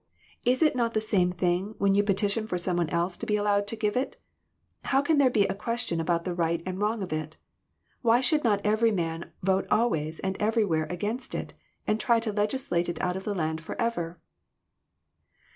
Is it not the same thing when you petition for some one else to be allowed to give it ? How can there be a question about the right and wrong of it ? Why should not every good man vote always and everywhere against it, and try to legislate it out of the land forever?"